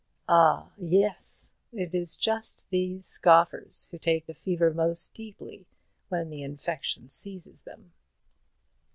Ah, yes! it is just these scoffers who take the fever most deeply, when the infection seizes them.